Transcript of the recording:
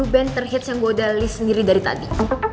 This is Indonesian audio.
dua puluh band terhits yang gue udah list sendiri dari tadi